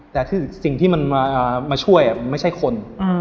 แต่คือสิ่งที่มันมาช่วยไม่ใช่คน